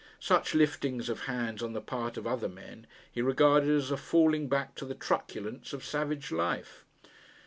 Such liftings of hands on the part of other men he regarded as a falling back to the truculence of savage life.